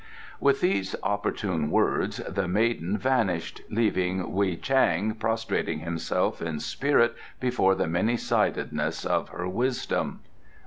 With these opportune words the maiden vanished, leaving Wei Chang prostrating himself in spirit before the many sidedness of her wisdom.